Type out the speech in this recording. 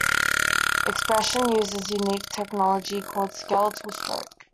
Expression uses a unique technology called skeletal stroke.